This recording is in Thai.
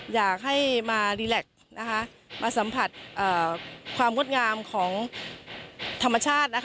อยากให้มาสัมผัสความวดงามของธรรมชาติ